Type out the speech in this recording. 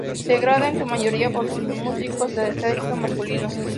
Integrada en su mayoría, por músicos de sexo masculino.